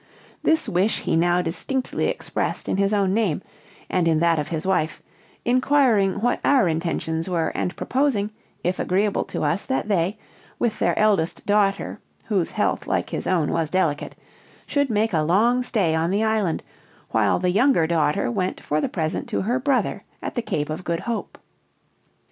This wish he now distinctly expressed in his own name, and in that of his wife; inquiring what our intentions were, and proposing, if agreeable to us, that they, with their eldest daughter, whose health, like his own, was delicate, should make a long stay on the island, while the younger daughter went for the present to her brother at the Cape of Good Hope.